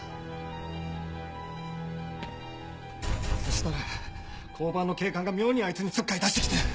そしたら交番の警官が妙にあいつにちょっかい出してきて。